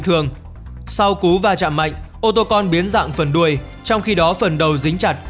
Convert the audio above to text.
thường sau cú va chạm mạnh ô tô con biến dạng phần đuôi trong khi đó phần đầu dính chặt